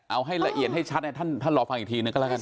เอาให้ละเอียดให้ชัดท่านรอฟังอีกทีนึงก็แล้วกัน